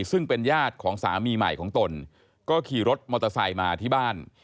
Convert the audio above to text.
ซึ่งเป็นญาติของสามีใหม่ของตนก็ขี่รถมอเตอร์ไซค์มาที่บ้าน